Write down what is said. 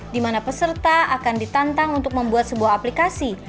di mana peserta akan ditantang untuk membuat sebuah aplikasi